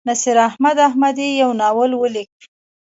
نصیراحمد احمدي یو ناول ولیک.